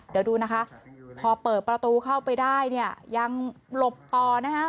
เดี๋ยวดูนะคะพอเปิดประตูเข้าไปได้เนี่ยยังหลบต่อนะคะ